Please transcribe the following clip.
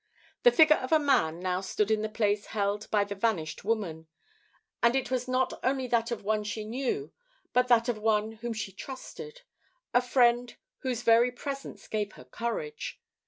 The figure of a man now stood in the place held by the vanished woman; and it was not only that of one she knew but that of one whom she trusted a friend whose very presence gave her courage.